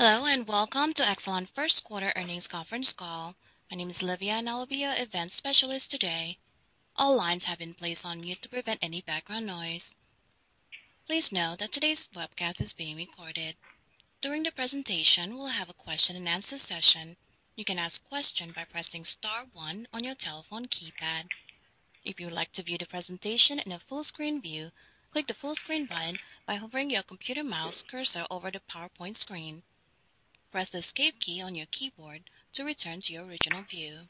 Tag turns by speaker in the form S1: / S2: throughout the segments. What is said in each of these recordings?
S1: Hello, and welcome to Exelon first quarter earnings conference call. My name is Livia, and I will be your event specialist today. All lines have been placed on mute to prevent any background noise. Please know that today's webcast is being recorded. During the presentation, we'll have a question-and-answer session. You can ask a question by pressing star one on your telephone keypad. If you would like to view the presentation in a full-screen view, click the full screen button by hovering your computer mouse cursor over the PowerPoint screen. Press the Escape key on your keyboard to return to your original view.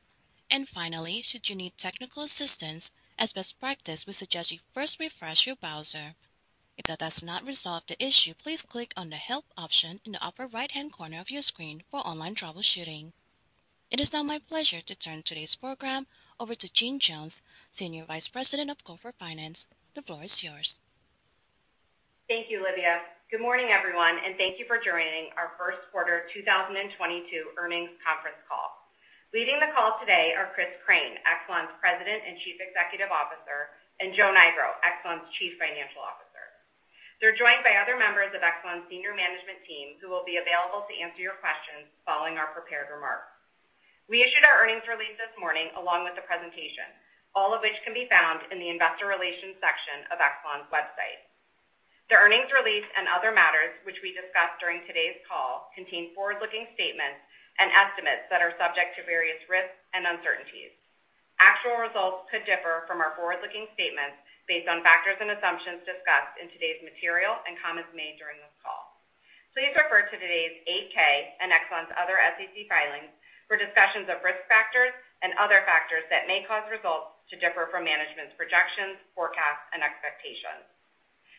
S1: Finally, should you need technical assistance, as best practice, we suggest you first refresh your browser. If that does not resolve the issue, please click on the Help option in the upper right-hand corner of your screen for online troubleshooting. It is now my pleasure to turn today's program over to Jeanne Jones, Senior Vice President of Corporate Finance. The floor is yours.
S2: Thank you, Livia. Good morning, everyone, and thank you for joining our first quarter 2022 earnings conference call. Leading the call today are Chris Crane, Exelon's President and Chief Executive Officer, and Joe Nigro, Exelon's Chief Financial Officer. They're joined by other members of Exelon's senior management team, who will be available to answer your questions following our prepared remarks. We issued our earnings release this morning, along with the presentation, all of which can be found in the investor relations section of Exelon's website. The earnings release and other matters which we discuss during today's call contain forward-looking statements and estimates that are subject to various risks and uncertainties. Actual results could differ from our forward-looking statements based on factors and assumptions discussed in today's material and comments made during this call. Please refer to today's 8-K and Exelon's other SEC filings for discussions of risk factors and other factors that may cause results to differ from management's projections, forecasts, and expectations.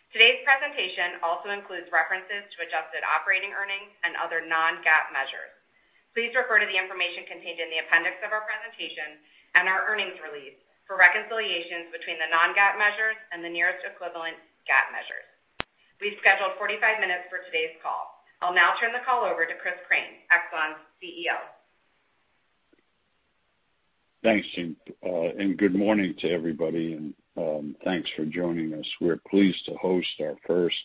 S2: Today's presentation also includes references to adjusted operating earnings and other non-GAAP measures. Please refer to the information contained in the appendix of our presentation and our earnings release for reconciliations between the non-GAAP measures and the nearest equivalent GAAP measures. We've scheduled 45 minutes for today's call. I'll now turn the call over to Chris Crane, Exelon's CEO.
S3: Thanks, Jeanne, and good morning to everybody, and thanks for joining us. We're pleased to host our first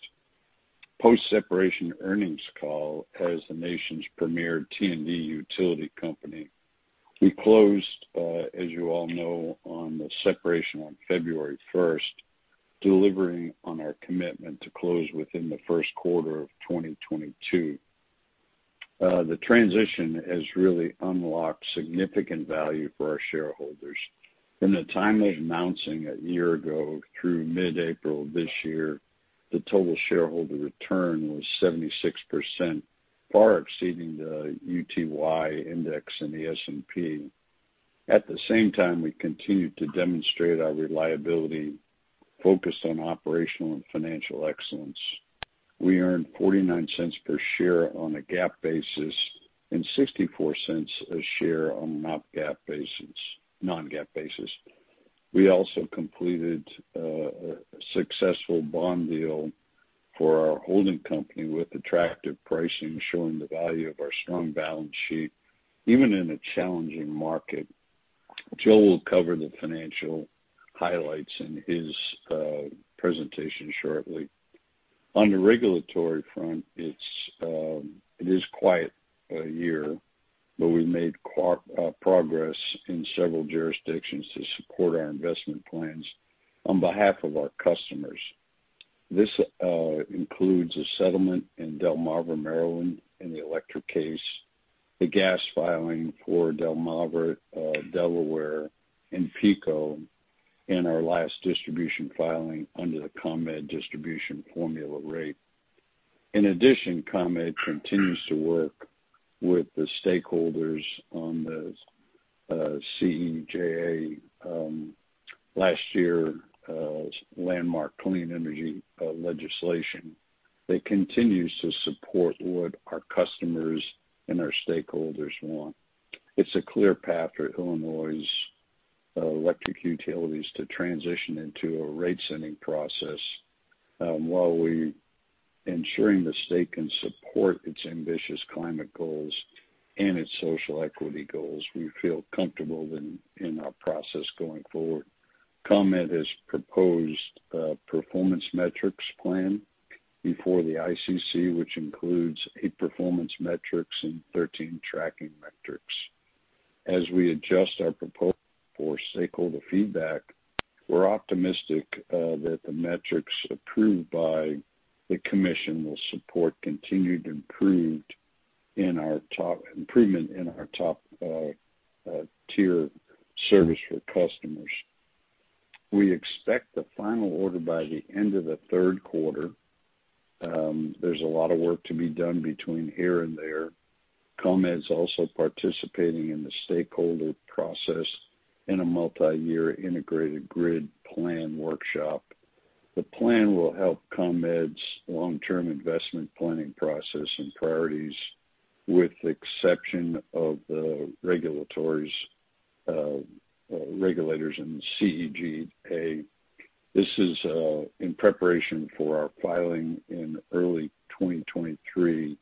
S3: post-separation earnings call as the nation's premier T&D utility company. We closed, as you all know, on the separation on February 1st, delivering on our commitment to close within the first quarter of 2022. The transition has really unlocked significant value for our shareholders. From the time of announcing a year ago through mid-April this year, the total shareholder return was 76%, far exceeding the UTY Index and the S&P. At the same time, we continued to demonstrate our reliability, focused on operational and financial excellence. We earned $0.49 per share on a GAAP basis and $0.64 a share on a non-GAAP basis. We also completed a successful bond deal for our holding company with attractive pricing, showing the value of our strong balance sheet, even in a challenging market. Joe will cover the financial highlights in his presentation shortly. On the regulatory front, it is a quiet year, but we've made progress in several jurisdictions to support our investment plans on behalf of our customers. This includes a settlement in Delmarva, Maryland in the electric case, a gas filing for Delmarva, Delaware, and PECO in our last distribution filing under the ComEd distribution formula rate. In addition, ComEd continues to work with the stakeholders on the CEJA last year landmark clean energy legislation that continues to support what our customers and our stakeholders want. It's a clear path for Illinois's electric utilities to transition into a rate-setting process, while ensuring the state can support its ambitious climate goals and its social equity goals. We feel comfortable in our process going forward. ComEd has proposed a performance metrics plan before the ICC, which includes 8 performance metrics and 13 tracking metrics. As we adjust our proposal for stakeholder feedback, we're optimistic that the metrics approved by the commission will support continued improvement in our top tier service for customers. We expect the final order by the end of the third quarter. There's a lot of work to be done between here and there. ComEd's also participating in the stakeholder process in a multiyear integrated grid plan workshop. The plan will help ComEd's long-term investment planning process and priorities, with the exception of the regulators in the CEJA. This is in preparation for our filing in early 2023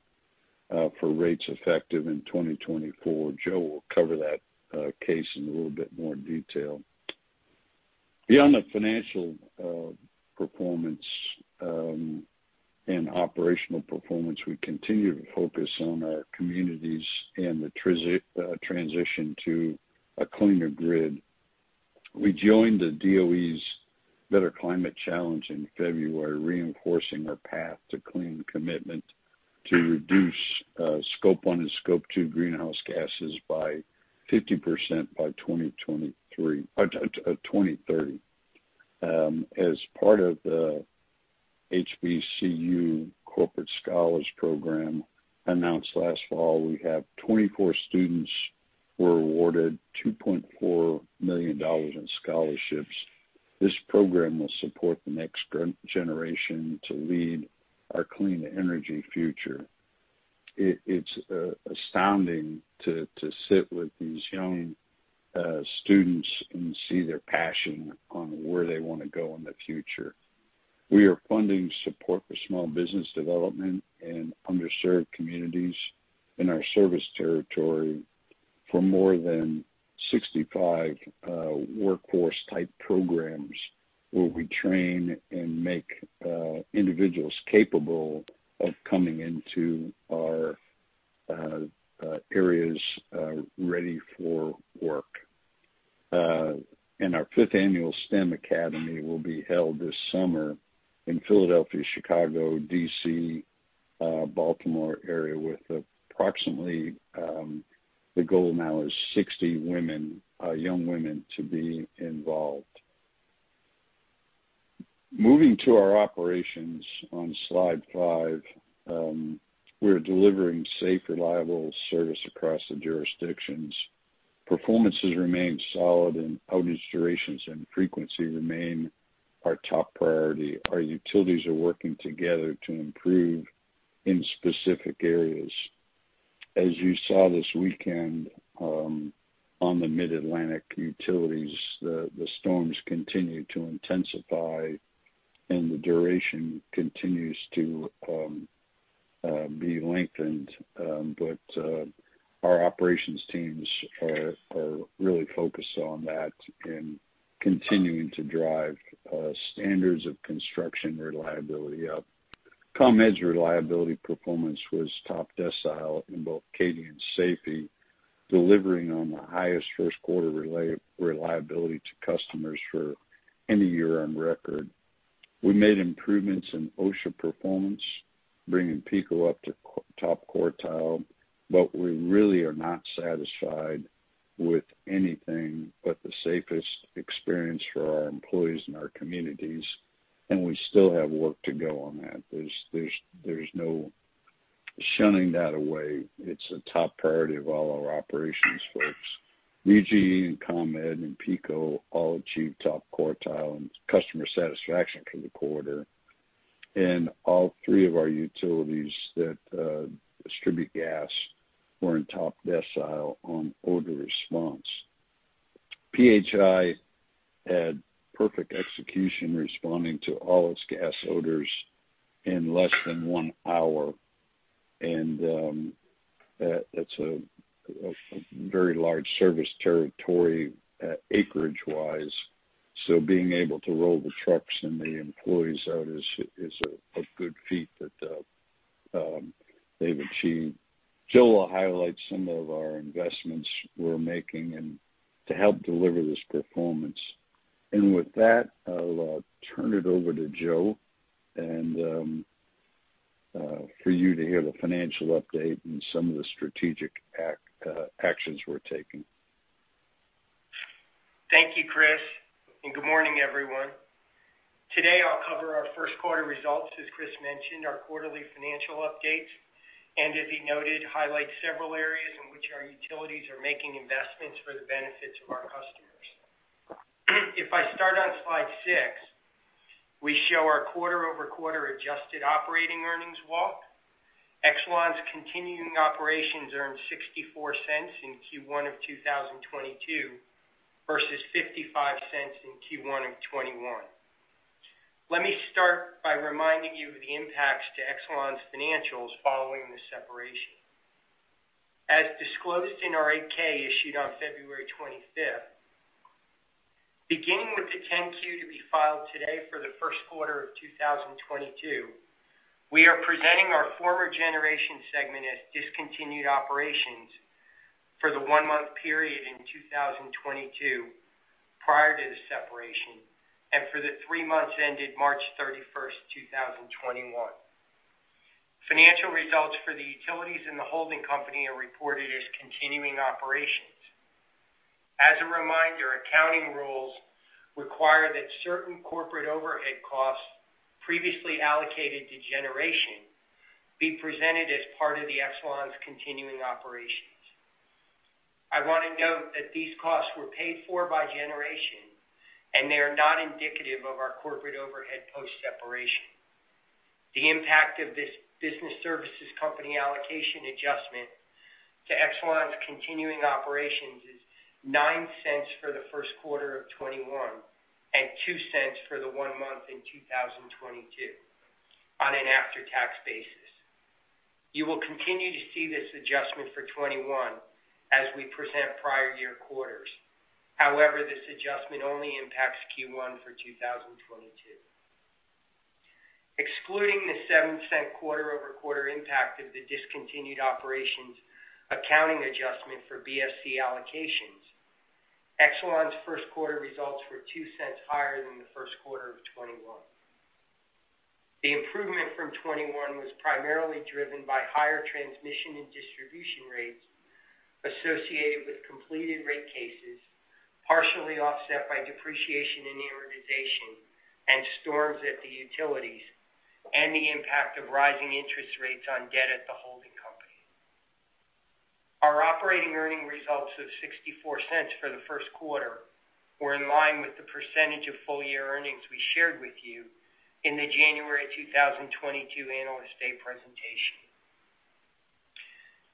S3: for rates effective in 2024. Joe will cover that case in a little bit more detail. Beyond the financial performance and operational performance, we continue to focus on our communities and the transition to a cleaner grid. We joined the DOE's Better Climate Challenge in February, reinforcing our path to clean commitment to reduce scope one and scope two greenhouse gases by 50% by 2030. As part of the HBCU Corporate Scholars Program announced last fall, we have 24 students who were awarded $2.4 million in scholarships. This program will support the next generation to lead our clean energy future. It's astounding to sit with these young students and see their passion on where they wanna go in the future. We are funding support for small business development in underserved communities in our service territory for more than 65 workforce type programs, where we train and make individuals capable of coming into our areas ready for work. Our fifth annual STEM Academy will be held this summer in Philadelphia, Chicago, D.C., Baltimore area with approximately the goal now is 60 women young women to be involved. Moving to our operations on slide five, we're delivering safe, reliable service across the jurisdictions. Performance has remained solid and outage durations and frequency remain our top priority. Our utilities are working together to improve in specific areas. As you saw this weekend, on the Mid-Atlantic utilities, the storms continue to intensify and the duration continues to be lengthened. Our operations teams are really focused on that and continuing to drive standards of construction reliability up. ComEd's reliability performance was top decile in both CAIDI and safety, delivering on the highest first quarter reliability to customers for any year on record. We made improvements in OSHA performance, bringing PECO up to top quartile, but we really are not satisfied with anything but the safest experience for our employees and our communities, and we still have work to go on that. There's no shying away from that. It's a top priority of all our operations folks. BGE, ComEd, and PECO all achieved top quartile in customer satisfaction for the quarter. All three of our utilities that distribute gas were in top decile on odor response. PHI had perfect execution, responding to all its gas odors in less than one hour. That's a very large service territory, acreage-wise, so being able to roll the trucks and the employees out is a good feat that they've achieved. Joe will highlight some of our investments we're making and to help deliver this performance. With that, I'll turn it over to Joe for you to hear the financial update and some of the strategic actions we're taking.
S4: Thank you, Chris, and good morning, everyone. Today, I'll cover our first quarter results, as Chris mentioned, our quarterly financial updates, and as he noted, highlight several areas in which our utilities are making investments for the benefits of our customers. If I start on slide six, we show our quarter-over-quarter adjusted operating earnings walk. Exelon's continuing operations earned $0.64 in Q1 of 2022 versus $0.55 in Q1 of 2021. Let me start by reminding you of the impacts to Exelon's financials following the separation. As disclosed in our 8-K issued on February 25th, beginning with the 10-Q to be filed today for the first quarter of 2022, we are presenting our former generation segment as discontinued operations for the one-month period in 2022 prior to the separation and for the three months ended March 31st, 2021. Financial results for the utilities and the holding company are reported as continuing operations. As a reminder, accounting rules require that certain corporate overhead costs previously allocated to generation be presented as part of Exelon's continuing operations. I wanna note that these costs were paid for by generation, and they are not indicative of our corporate overhead post-separation. The impact of this business services company allocation adjustment to Exelon's continuing operations is $0.09 for the first quarter of 2021, and $0.02 for the one month in 2022 on an after-tax basis. You will continue to see this adjustment for 2021 as we present prior year quarters. However, this adjustment only impacts Q1 for 2022. Excluding the seven-cent quarter-over-quarter impact of the discontinued operations accounting adjustment for BSC allocations, Exelon's first quarter results were $0.02 higher than the first quarter of 2021. The improvement from 2021 was primarily driven by higher transmission and distribution rates associated with completed rate cases, partially offset by depreciation and amortization and storms at the utilities, and the impact of rising interest rates on debt at the holding company. Our operating earnings results of $0.64 for the first quarter were in line with the percentage of full-year earnings we shared with you in the January 2022 Analyst Day presentation.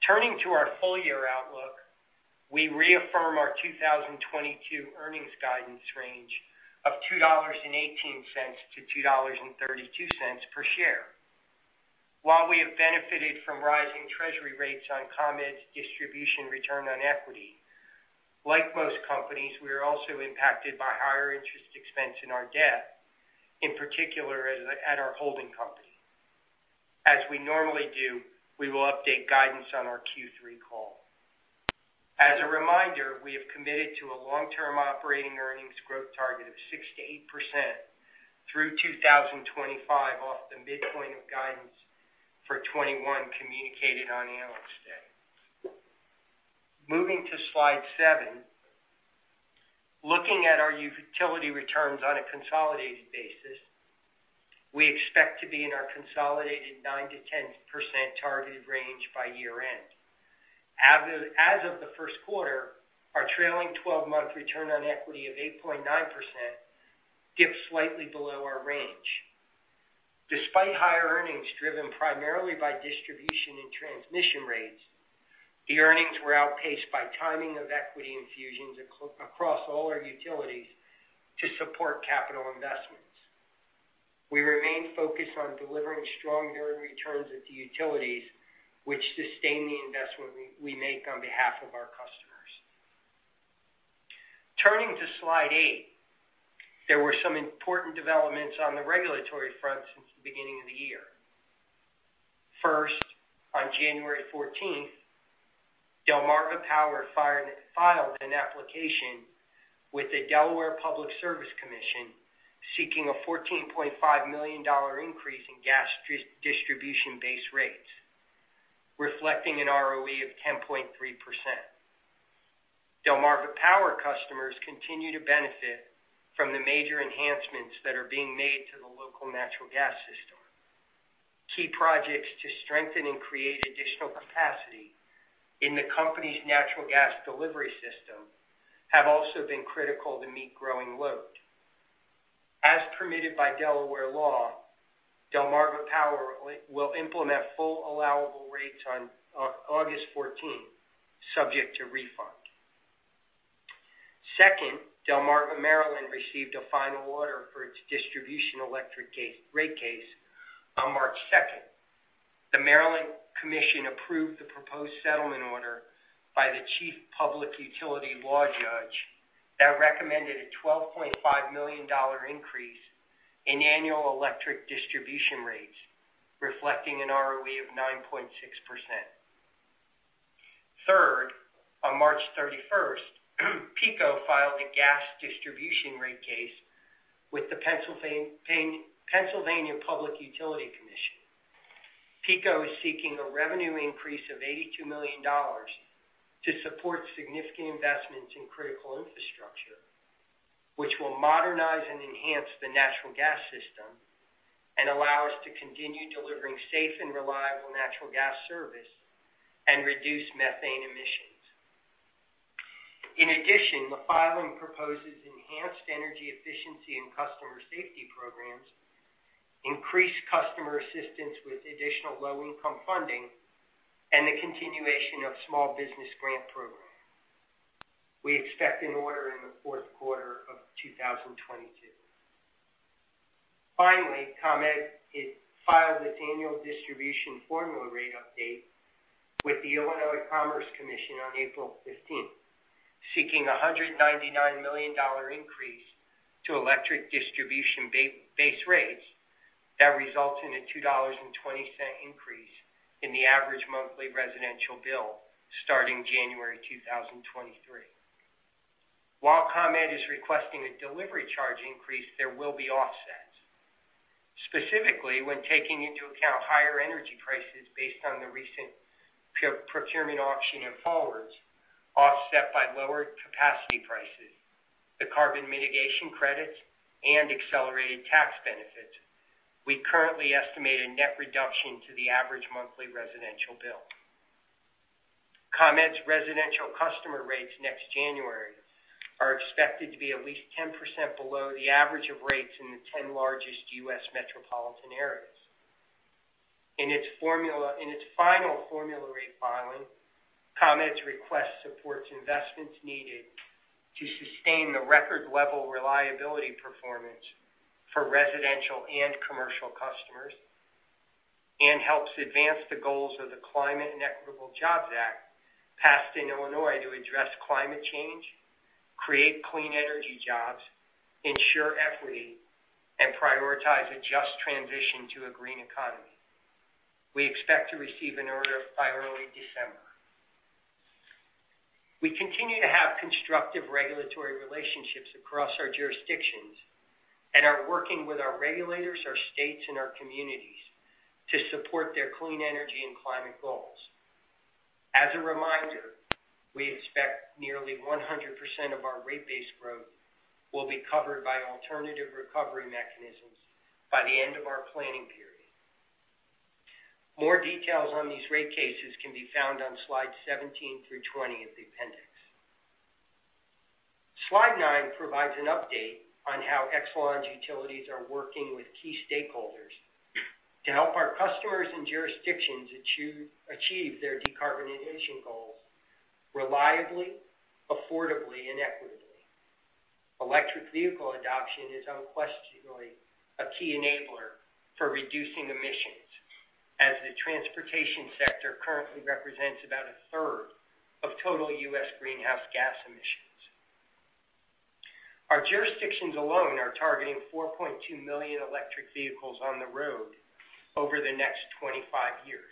S4: Turning to our full-year outlook, we reaffirm our 2022 earnings guidance range of $2.18-$2.32 per share. While we have benefited from rising treasury rates on ComEd's distribution return on equity, like most companies, we are also impacted by higher interest expense in our debt, in particular at our holding company. As we normally do, we will update guidance on our Q3 call. As a reminder, we have committed to a long-term operating earnings growth target of 6%-8% through 2025 off the midpoint of guidance for 2021 communicated on Analyst Day. Moving to slide seven. Looking at our utility returns on a consolidated basis, we expect to be in our consolidated 9%-10% targeted range by year-end. As of the first quarter, our trailing 12-month return on equity of 8.9% dips slightly below our range. Despite higher earnings driven primarily by distribution and transmission rates, the earnings were outpaced by timing of equity infusions across all our utilities to support capital investments. We remain focused on delivering strong returns at the utilities which sustain the investment we make on behalf of our customers. Turning to slide eight. There were some important developments on the regulatory front since the beginning of the year. First, on January 14th, Delmarva Power filed an application with the Delaware Public Service Commission seeking a $14.5 million increase in gas distribution base rates, reflecting an ROE of 10.3%. Delmarva Power customers continue to benefit from the major enhancements that are being made to the local natural gas system. Key projects to strengthen and create additional capacity in the company's natural gas delivery system have also been critical to meet growing load. As permitted by Delaware law, Delmarva Power will implement full allowable rates on August 14th, subject to refund. Second, Delmarva Maryland received a final order for its distribution electric rate case on March 2nd. The Maryland Commission approved the proposed settlement order by the chief public utility law judge that recommended a $12.5 million increase in annual electric distribution rates, reflecting an ROE of 9.6%. Third, on March 31st, PECO filed a gas distribution rate case with the Pennsylvania Public Utility Commission. PECO is seeking a revenue increase of $82 million to support significant investments in critical infrastructure, which will modernize and enhance the natural gas system and allow us to continue delivering safe and reliable natural gas service and reduce methane emissions. In addition, the filing proposes enhanced energy efficiency and customer safety programs, increased customer assistance with additional low-income funding, and the continuation of small business grant program. We expect an order in the fourth quarter of 2022. Finally, ComEd filed its annual distribution formula rate update with the Illinois Commerce Commission on April 15, seeking $199 million increase to electric distribution based rates that results in a $2.20 increase in the average monthly residential bill starting January 2023. While ComEd is requesting a delivery charge increase, there will be offsets. Specifically, when taking into account higher energy prices based on the recent procurement auction and forwards offset by lower capacity prices, the carbon mitigation credits, and accelerated tax benefits, we currently estimate a net reduction to the average monthly residential bill. ComEd's residential customer rates next January are expected to be at least 10% below the average of rates in the 10 largest U.S. metropolitan areas. In its final formula rate filing, ComEd's request supports investments needed to sustain the record-level reliability performance for residential and commercial customers and helps advance the goals of the Climate and Equitable Jobs Act passed in Illinois to address climate change, create clean energy jobs, ensure equity, and prioritize a just transition to a green economy. We expect to receive an order by early December. We continue to have constructive regulatory relationships across our jurisdictions and are working with our regulators, our states, and our communities to support their clean energy and climate goals. As a reminder, we expect nearly 100% of our rate-based growth will be covered by alternative recovery mechanisms by the end of our planning period. More details on these rate cases can be found on slide 17 through 20 of the appendix. Slide nine provides an update on how Exelon's utilities are working with key stakeholders to help our customers and jurisdictions achieve their decarbonization goals reliably, affordably, and equitably. Electric vehicle adoption is unquestionably a key enabler for reducing emissions, as the transportation sector currently represents about a third of total U.S. greenhouse gas emissions. Our jurisdictions alone are targeting 4.2 million electric vehicles on the road over the next 25 years.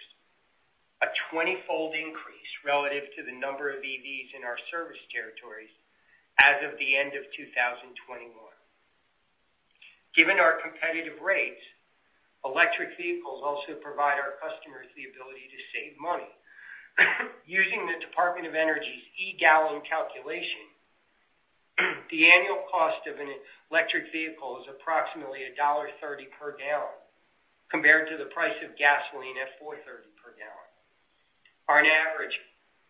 S4: A 20-fold increase relative to the number of EVs in our service territories as of the end of 2021. Given our competitive rates, electric vehicles also provide our customers the ability to save money. Using the Department of Energy's eGallon calculation, the annual cost of an electric vehicle is approximately $1.30 per gallon compared to the price of gasoline at $4.30 per gallon. On average,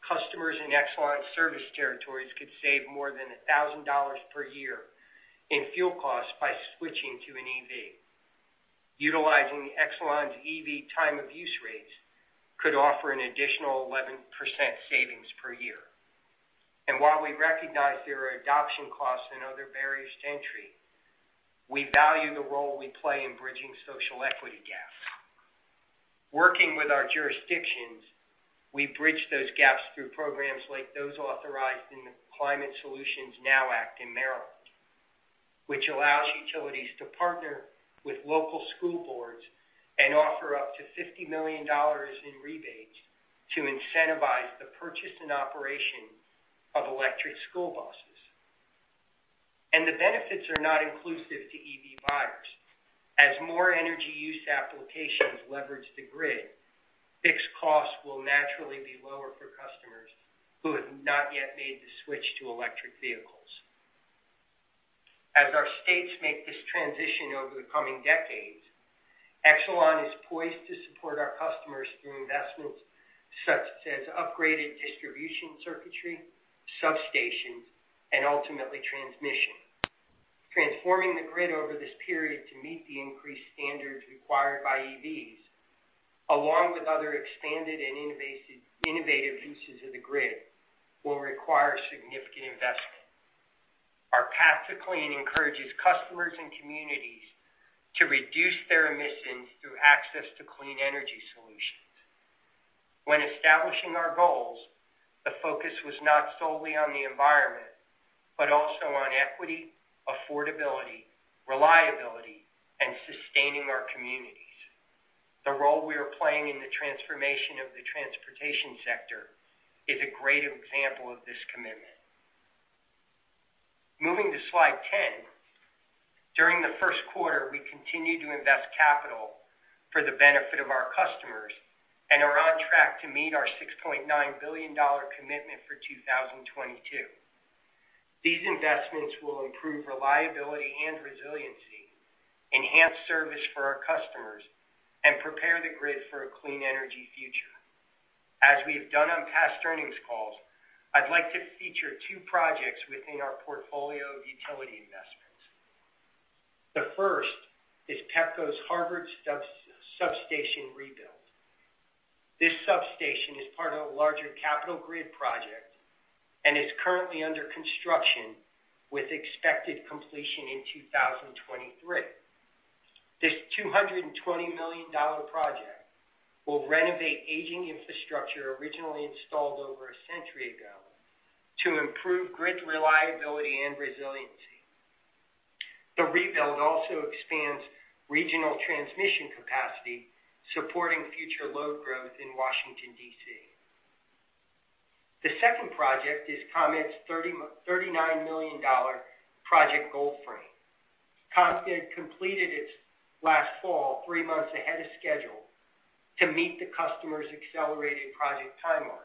S4: customers in Exelon service territories could save more than $1,000 per year in fuel costs by switching to an EV. Utilizing Exelon's EV time of use rates could offer an additional 11% savings per year. While we recognize there are adoption costs and other barriers to entry, we value the role we play in bridging social equity gaps. Working with our jurisdictions, we bridge those gaps through programs like those authorized in the Climate Solutions Now Act in Maryland, which allows utilities to partner with local school boards and offer up to $50 million in rebates to incentivize the purchase and operation of electric school buses. The benefits are not inclusive to EV buyers. As more energy use applications leverage the grid, fixed costs will naturally be lower for customers who have not yet made the switch to electric vehicles. As our states make this transition over the coming decades, Exelon is poised to support our customers through investments such as upgraded distribution circuitry, substations, and ultimately, transmission. Transforming the grid over this period to meet the increased standards required by EVs, along with other expanded and innovative uses of the grid, will require significant investment. Our path to clean encourages customers and communities to reduce their emissions through access to clean energy solutions. When establishing our goals, the focus was not solely on the environment, but also on equity, affordability, reliability, and sustaining our communities. The role we are playing in the transformation of the transportation sector is a great example of this commitment. Moving to slide 10. During the first quarter, we continued to invest capital for the benefit of our customers and are on track to meet our $6.9 billion commitment for 2022. These investments will improve reliability and resiliency, enhance service for our customers, and prepare the grid for a clean energy future. As we have done on past earnings calls, I'd like to feature two projects within our portfolio of utility investments. The first is Pepco's Harvard substation rebuild. This substation is part of a larger capital grid project and is currently under construction with expected completion in 2023. This $220 million project will renovate aging infrastructure originally installed over a century ago to improve grid reliability and resiliency. The rebuild also expands regional transmission capacity, supporting future load growth in Washington, D.C. The second project is ComEd's $39 million Project Goldframe. ComEd completed it last fall, three months ahead of schedule, to meet the customer's accelerated project timeline.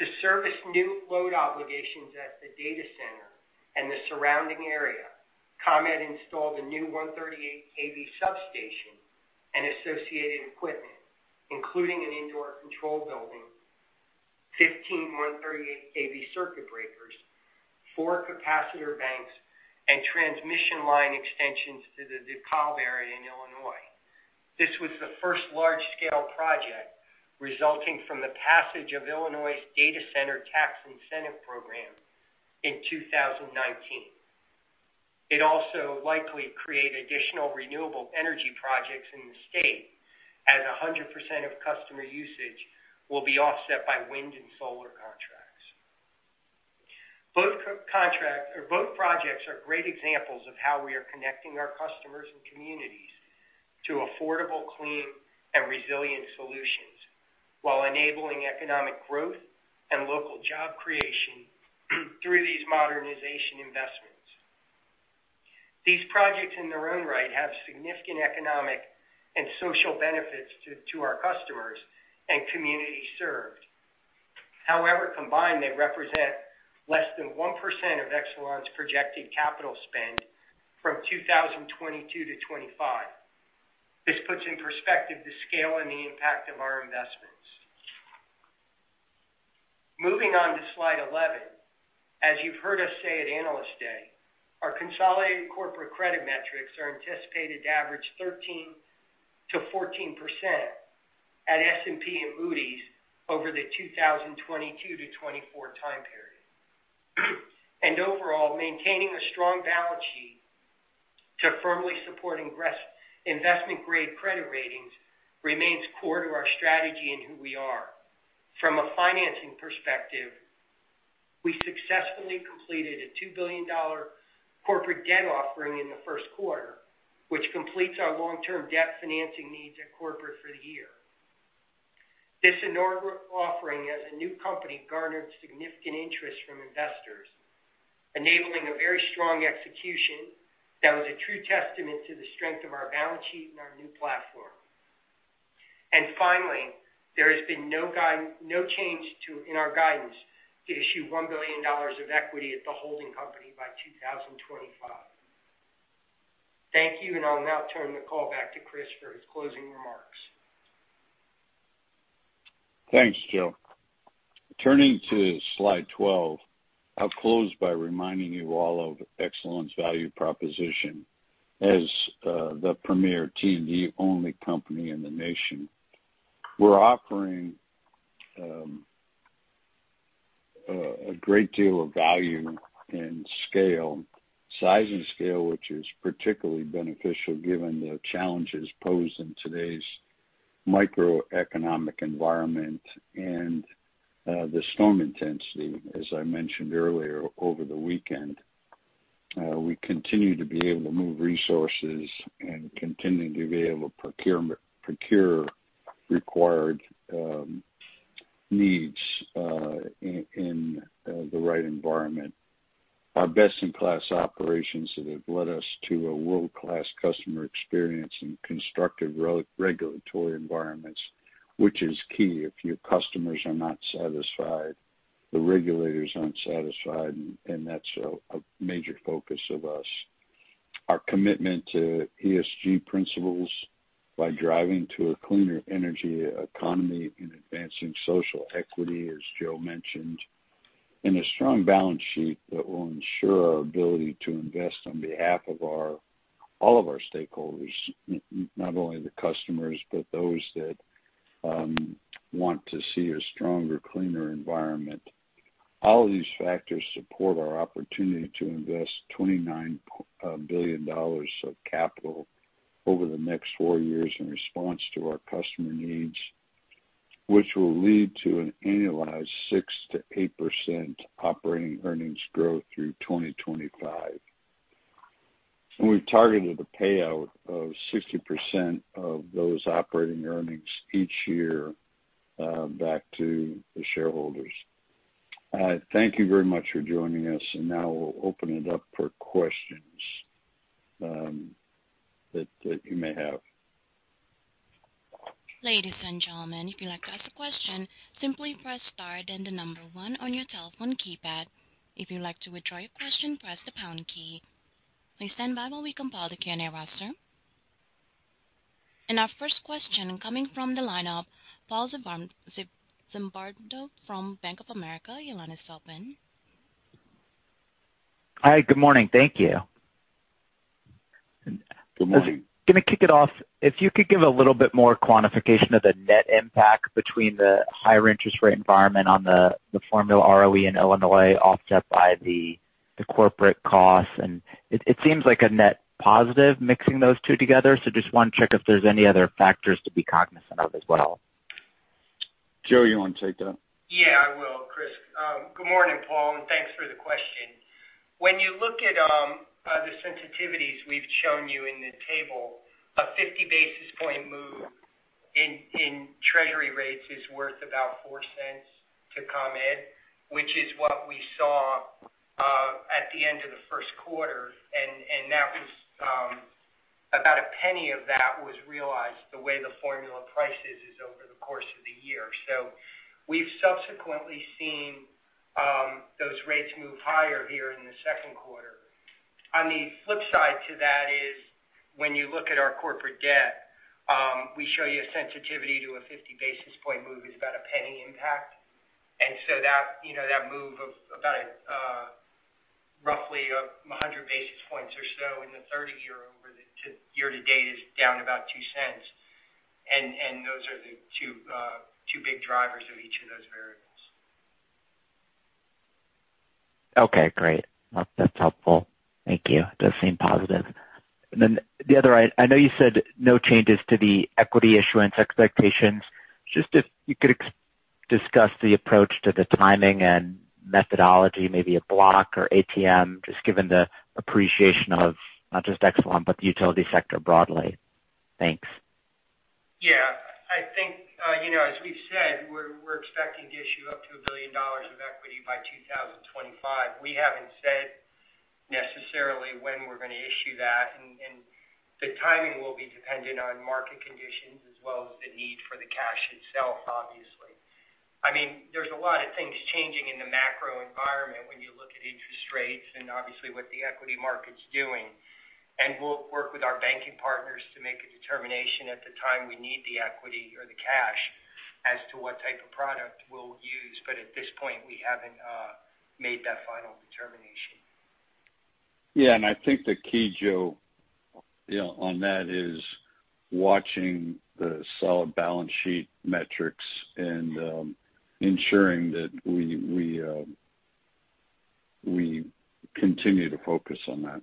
S4: To service new load obligations at the data center and the surrounding area, ComEd installed a new 138 kV substation and associated equipment, including an indoor control building, 15 138 kV circuit breakers, four capacitor banks and transmission line extensions to the DeKalb area in Illinois. This was the first large-scale project resulting from the passage of Illinois's data center tax incentive program in 2019. It also likely create additional renewable energy projects in the state as 100% of customer usage will be offset by wind and solar contracts. Both projects are great examples of how we are connecting our customers and communities to affordable, clean and resilient solutions while enabling economic growth and local job creation through these modernization investments. These projects in their own right have significant economic and social benefits to our customers and communities served. However, combined, they represent less than 1% of Exelon's projected capital spend from 2022-2025. This puts in perspective the scale and the impact of our investments. Moving on to slide 11. As you've heard us say at Analyst Day, our consolidated corporate credit metrics are anticipated to average 13%-14% at S&P and Moody's over the 2022-2024 time period. Overall, maintaining a strong balance sheet to firmly support investment-grade credit ratings remains core to our strategy and who we are. From a financing perspective, we successfully completed a $2 billion corporate debt offering in the first quarter, which completes our long-term debt financing needs at corporate for the year. This inaugural offering as a new company garnered significant interest from investors, enabling a very strong execution that was a true testament to the strength of our balance sheet and our new platform. Finally, there has been no change in our guidance to issue $1 billion of equity at the holding company by 2025. Thank you, and I'll now turn the call back to Chris for his closing remarks.
S3: Thanks, Joe. Turning to slide 12. I'll close by reminding you all of Exelon's value proposition as the premier T&D-only company in the nation. We're offering a great deal of value and scale, size, and scale, which is particularly beneficial given the challenges posed in today's macroeconomic environment and the storm intensity, as I mentioned earlier, over the weekend. We continue to be able to move resources and continue to be able to procure required needs in the right environment. Our best-in-class operations that have led us to a world-class customer experience in constructive regulatory environments, which is key. If your customers are not satisfied, the regulators aren't satisfied, and that's a major focus of us. Our commitment to ESG principles by driving to a cleaner energy economy and advancing social equity, as Joe mentioned, and a strong balance sheet that will ensure our ability to invest on behalf of all of our stakeholders, not only the customers, but those that want to see a stronger, cleaner environment. All these factors support our opportunity to invest $29 billion of capital over the next four years in response to our customer needs, which will lead to an annualized 6%-8% operating earnings growth through 2025. We've targeted a payout of 60% of those operating earnings each year back to the shareholders. Thank you very much for joining us, and now we'll open it up for questions that you may have.
S1: Ladies and gentlemen, if you'd like to ask a question, simply press star then the number one on your telephone keypad. If you'd like to withdraw your question, press the pound key. Please stand by while we compile the Q&A roster. Our first question coming from the lineup, Paul Zimbardo from Bank of America. Your line is open.
S5: Hi. Good morning. Thank you.
S3: Good morning.
S5: Gonna kick it off. If you could give a little bit more quantification of the net impact between the higher interest rate environment on the formula ROE in Illinois, offset by the corporate costs, and it seems like a net positive mixing those two together. Just want to check if there's any other factors to be cognizant of as well.
S3: Joe, you want to take that?
S4: Yeah, I will, Chris. Good morning, Paul, and thanks for the question. When you look at the sensitivities we've shown you in the table, a 50 basis points move in Treasury rates is worth about $0.04 to ComEd, which is what we saw at the end of the first quarter. That was about [$0.01] of that was realized the way the formula rate is over the course of the year. We've subsequently seen those rates move higher here in the second quarter. On the flip side to that is when you look at our corporate debt, we show you a sensitivity to a 50 basis points move is about a $0.01 impact. That, you know, that move of about roughly 100 basis points or so in the third year over the year-to-date is down about $0.02. Those are the two big drivers of each of those variables.
S5: Okay, great. That's helpful. Thank you. Does seem positive. Then the other I know you said no changes to the equity issuance expectations. Just if you could discuss the approach to the timing and methodology, maybe a block or ATM, just given the appreciation of not just Exelon, but the utility sector broadly. Thanks.
S4: Yeah, I think, you know, as we've said, we're expecting to issue up to $1 billion of equity by 2025. We haven't said necessarily when we're gonna issue that. The timing will be dependent on market conditions as well as the need for the cash itself, obviously. I mean, there's a lot of things changing in the macro environment when you look at interest rates and obviously what the equity market's doing. We'll work with our banking partners to make a determination at the time we need the equity or the cash as to what type of product we'll use. At this point, we haven't made that final determination.
S3: Yeah. I think the key, Joe, you know, on that is watching the solid balance sheet metrics and ensuring that we continue to focus on that.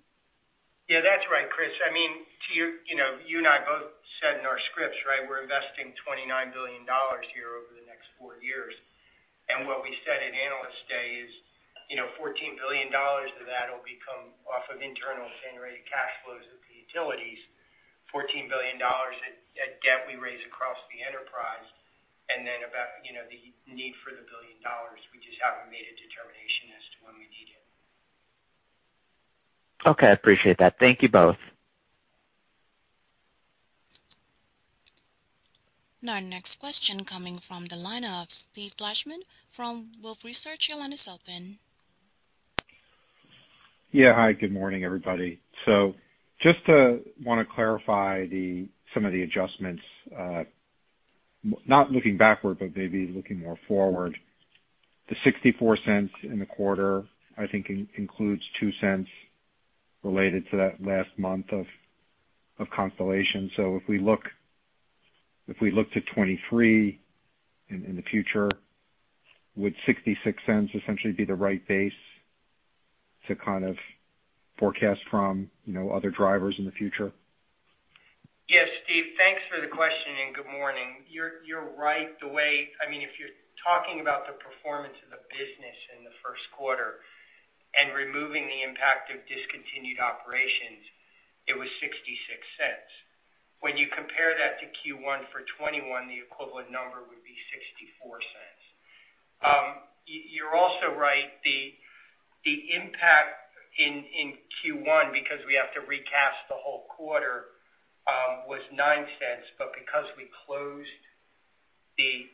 S4: Yeah, that's right, Chris. I mean, to your point, you know, you and I both said in our scripts, right, we're investing $29 billion here over the next four years. What we said at Analyst Day is, you know, $14 billion of that will come from internally generated cash flows of the utilities, $14 billion in debt we raise across the enterprise. Then about, you know, the need for $1 billion, we just haven't made a determination as to when we need it.
S5: Okay. I appreciate that. Thank you both.
S1: Our next question coming from the line of Steve Fleishman from Wolfe Research. Your line is open.
S6: Yeah. Hi. Good morning, everybody. Just to want to clarify some of the adjustments, not looking backward, but maybe looking more forward. The $0.64 in the quarter, I think includes $0.02 related to that last month of Constellation. If we look at 2023 in the future, would $0.66 essentially be the right base to kind of forecast from, you know, other drivers in the future?
S4: Yes, Steve, thanks for the question, and good morning. You're right. I mean, if you're talking about the performance of the business in the first quarter and removing the impact of discontinued operations, it was $0.66. When you compare that to Q1 2021, the equivalent number would be $0.64. You're also right. The impact in Q1, because we have to recast the whole quarter, was $0.09. Because we closed the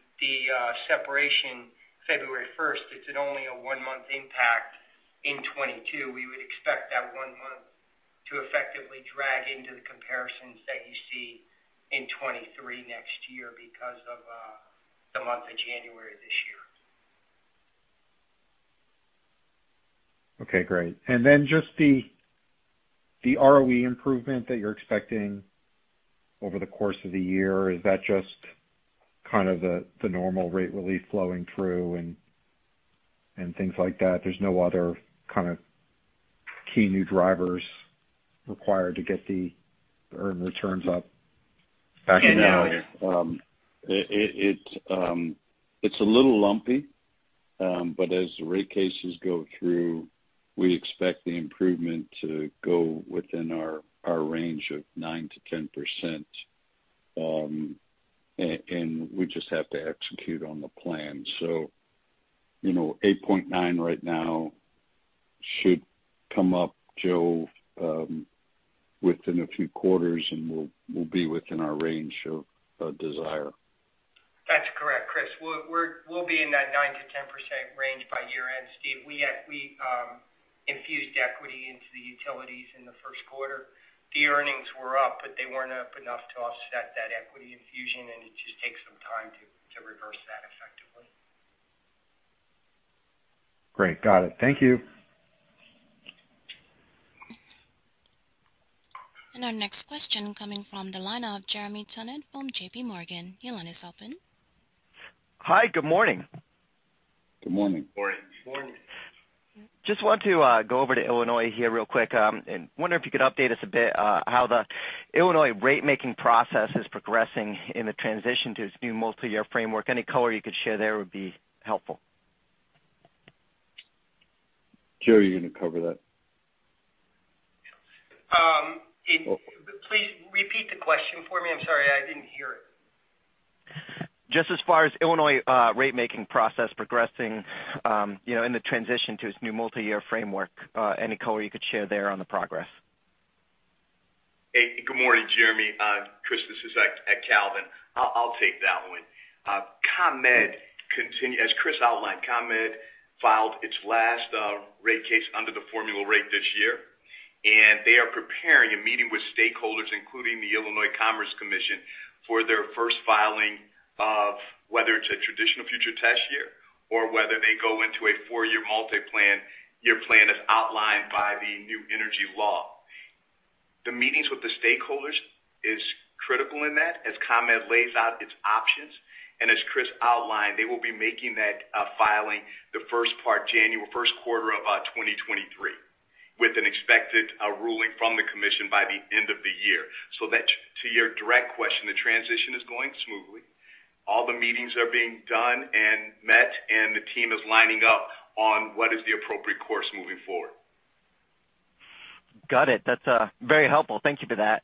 S4: separation February 1st, it's only a one-month impact in 2022. We would expect that one month to effectively drag into the comparisons that you see in 2023 next year because of the month of January this year.
S6: Okay, great. Then just the ROE improvement that you're expecting over the course of the year, is that just kind of the normal rate relief flowing through and things like that? There's no other kind of key new drivers required to get the earned returns up back in there?
S3: Yeah. It's a little lumpy. As the rate cases go through, we expect the improvement to go within our range of 9%-10%. We just have to execute on the plan. You know, 8.9% right now should come up, Joe, within a few quarters, and we'll be within our range of desire.
S4: That's correct, Chris. We'll be in that 9%-10% range by year-end, Steve. We infused equity into the utilities in the first quarter. The earnings were up, but they weren't up enough to offset that equity infusion, and it just takes some time to reverse that effectively.
S6: Great. Got it. Thank you.
S1: Our next question coming from the line of Jeremy Tonet from J.P. Morgan. Your line is open.
S7: Hi. Good morning.
S3: Good morning.
S4: Morning. Morning.
S7: Just want to go over to Illinois here real quick. Wonder if you could update us a bit, how the Illinois rate-making process is progressing in the transition to its new multi-year framework. Any color you could share there would be helpful.
S3: Joe, are you gonna cover that?
S4: Please repeat the question for me. I'm sorry, I didn't hear it.
S7: Just as far as Illinois, rate-making process progressing, you know, in the transition to its new multi-year framework. Any color you could share there on the progress?
S8: Good morning, Jeremy. Chris, this is Calvin. I'll take that one. As Chris outlined, ComEd filed its last rate case under the formula rate this year, and they are preparing a meeting with stakeholders, including the Illinois Commerce Commission, for their first filing of whether it's a traditional future test year or whether they go into a four-year multi-year plan as outlined by the new energy law. The meetings with the stakeholders is critical in that as ComEd lays out its options. As Chris outlined, they will be making that filing first quarter of 2023, with an expected ruling from the commission by the end of the year. To your direct question, the transition is going smoothly. All the meetings are being done and met, and the team is lining up on what is the appropriate course moving forward.
S7: Got it. That's very helpful. Thank you for that.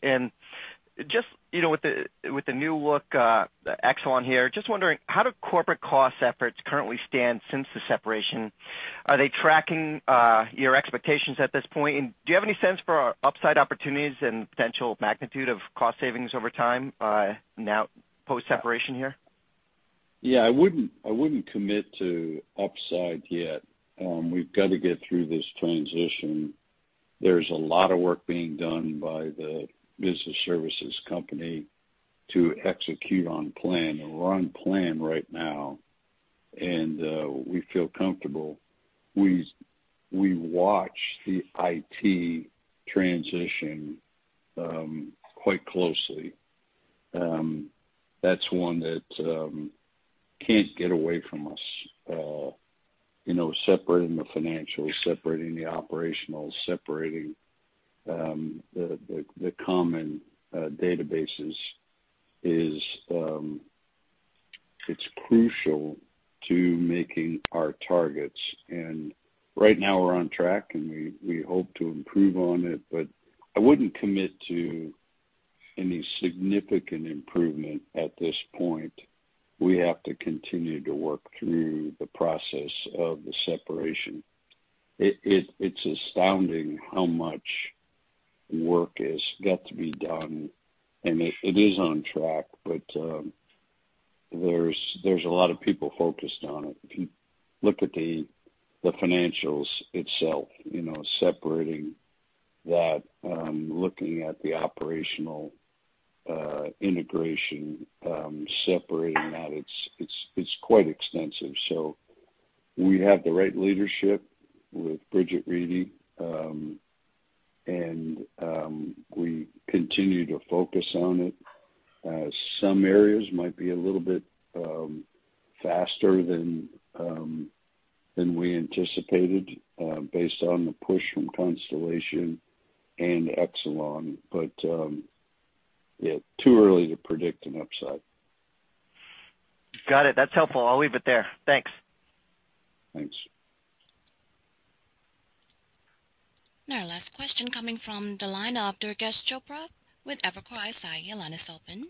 S7: Just, you know, with the new look, Exelon here, just wondering, how do corporate cost efforts currently stand since the separation? Are they tracking your expectations at this point? Do you have any sense for upside opportunities and potential magnitude of cost savings over time, now post-separation here?
S3: Yeah, I wouldn't commit to upside yet. We've got to get through this transition. There's a lot of work being done by the business services company to execute on plan. We're on plan right now, and we feel comfortable. We watch the IT transition quite closely. That's one that can't get away from us. You know, separating the financials, separating the operational, separating the common databases is crucial to making our targets. Right now we're on track, and we hope to improve on it, but I wouldn't commit to any significant improvement at this point. We have to continue to work through the process of the separation. It's astounding how much work has got to be done, it is on track, but there's a lot of people focused on it. If you look at the financials itself, you know, separating that, looking at the operational integration, separating that, it's quite extensive. We have the right leadership with Bridget Reidy, and we continue to focus on it. Some areas might be a little bit faster than we anticipated, based on the push from Constellation and Exelon. Yeah, too early to predict an upside.
S7: Got it. That's helpful. I'll leave it there. Thanks.
S3: Thanks.
S1: Now our last question coming from the line of Durgesh Chopra with Evercore ISI. Your line is open.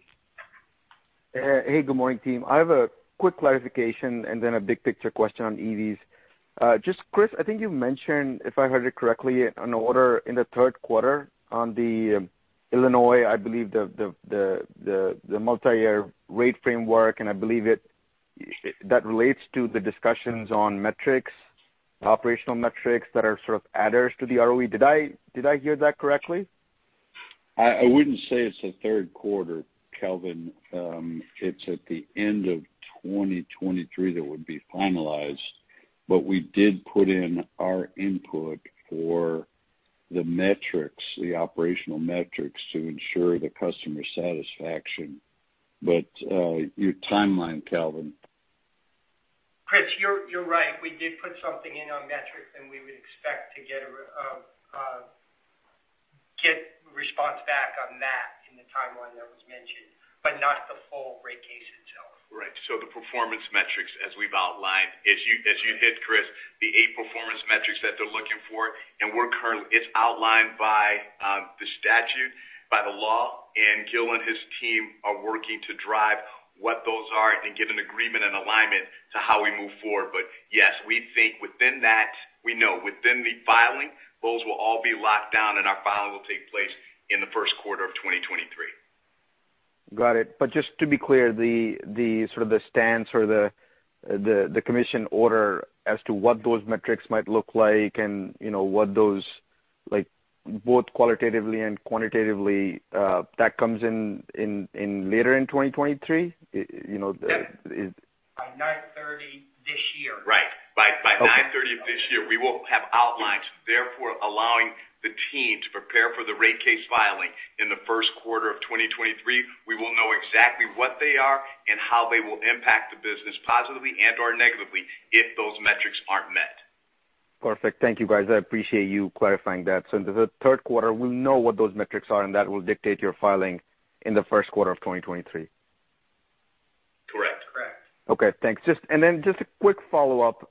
S9: Hey, good morning, team. I have a quick clarification and then a big picture question on EVs. Just Chris, I think you mentioned, if I heard it correctly, an order in the third quarter on the Illinois, I believe the multi-year rate framework, and I believe it that relates to the discussions on metrics, the operational metrics that are sort of adders to the ROE. Did I hear that correctly?
S3: I wouldn't say it's the third quarter, Calvin. It's at the end of 2023 that it would be finalized. We did put in our input for the metrics, the operational metrics to ensure the customer satisfaction. Your timeline, Calvin.
S4: Chris, you're right. We did put something in on metrics, and we would expect to get response back on that in the timeline that was mentioned, but not the full rate case itself.
S8: Right. The performance metrics as we've outlined, as you heard Chris, the eight performance metrics that they're looking for, and it's outlined by the statute, by the law, and Gil and his team are working to drive what those are and get an agreement and alignment to how we move forward. Yes, we think within that, we know within the filing, those will all be locked down, and our filing will take place in the first quarter of 2023.
S9: Got it. Just to be clear, the sort of stance or the commission order as to what those metrics might look like and, you know, what those, like, both qualitatively and quantitatively, that comes in later in 2023? You know,
S10: Yep. By September 30 this year.
S8: Right. By September 30 this year, we will have outlines. Therefore, allowing the team to prepare for the rate case filing in the first quarter of 2023. We will know exactly what they are and how they will impact the business positively and/or negatively if those metrics aren't met.
S9: Perfect. Thank you, guys. I appreciate you clarifying that. In the third quarter, we'll know what those metrics are, and that will dictate your filing in the first quarter of 2023.
S8: Correct.
S10: Correct.
S9: Okay, thanks. Just a quick follow-up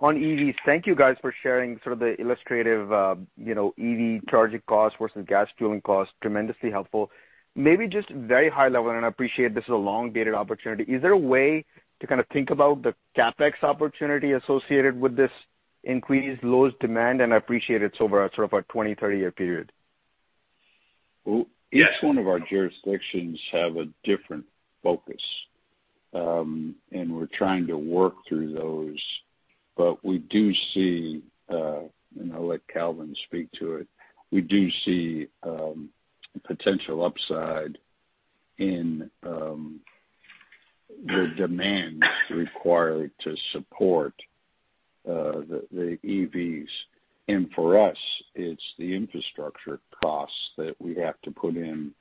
S9: on EVs. Thank you guys for sharing sort of the illustrative EV charging cost versus gas fueling cost. Tremendously helpful. Maybe just very high level, and I appreciate this is a long-dated opportunity. Is there a way to kind of think about the CapEx opportunity associated with this increase in load demand, and I appreciate it's over a sort of a 20- to 30-year period.
S3: Well, each one of our jurisdictions have a different focus, and we're trying to work through those. We do see, and I'll let Calvin speak to it. We do see potential upside in the demand required to support the EVs. For us, it's the infrastructure costs that we have to put in.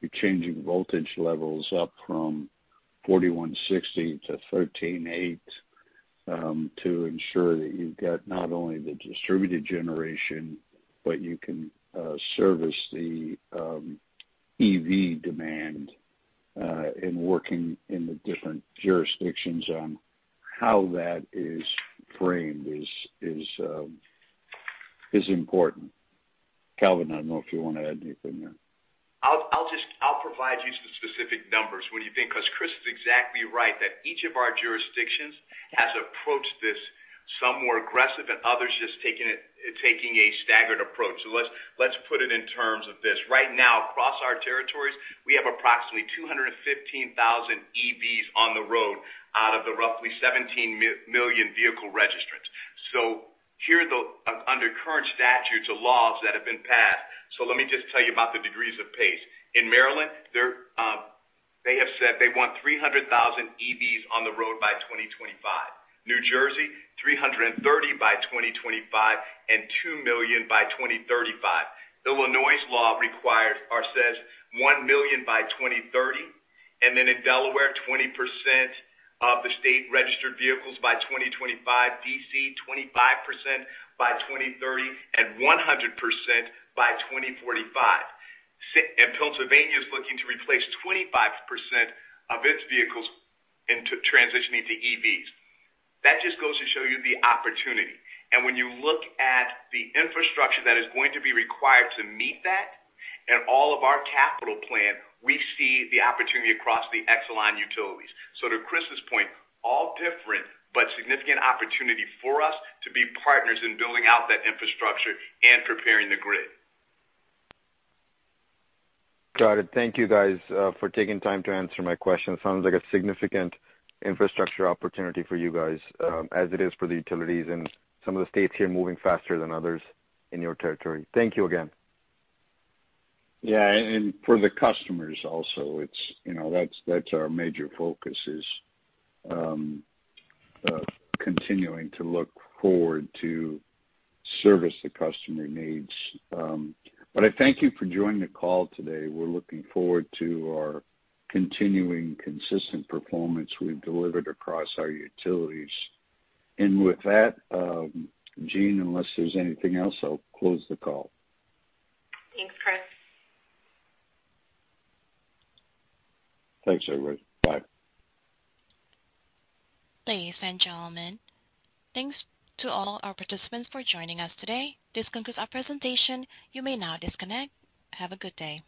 S3: You're changing voltage levels up from 4,160 to 13,800 to ensure that you've got not only the distributed generation, but you can service the EV demand in working in the different jurisdictions on how that is framed is important. Calvin, I don't know if you wanna add anything there.
S8: I'll just provide you some specific numbers. What do you think? Because Chris is exactly right that each of our jurisdictions has approached this, some more aggressive and others just taking a staggered approach. Let's put it in terms of this. Right now, across our territories, we have approximately 215,000 EVs on the road out of the roughly 17 million vehicle registrants. Under current statutes or laws that have been passed. Let me just tell you about the degrees of pace. In Maryland, they have said they want 300,000 EVs on the road by 2025. New Jersey, 330,000 by 2025 and 2 million by 2035. Illinois law requires or says 1 million by 2030, and then in Delaware, 20% of the state registered vehicles by 2025. D.C., 25% by 2030 and 100% by 2045. Pennsylvania is looking to replace 25% of its vehicles into transitioning to EVs. That just goes to show you the opportunity. When you look at the infrastructure that is going to be required to meet that and all of our capital plan, we see the opportunity across the Exelon utilities. To Chris's point, all different but significant opportunity for us to be partners in building out that infrastructure and preparing the grid.
S9: Got it. Thank you guys for taking time to answer my question. Sounds like a significant infrastructure opportunity for you guys, as it is for the utilities and some of the states here moving faster than others in your territory. Thank you again.
S3: For the customers also, it's, you know, that's our major focus is continuing to look forward to service the customer needs. I thank you for joining the call today. We're looking forward to our continuing consistent performance we've delivered across our utilities. With that, Jeanne, unless there's anything else, I'll close the call.
S2: Thanks, Chris. Thanks, everybody. Bye.
S1: Ladies and gentlemen, thanks to all our participants for joining us today. This concludes our presentation. You may now disconnect. Have a good day.